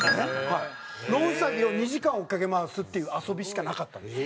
野ウサギを２時間追っかけ回すっていう遊びしかなかったんですよ。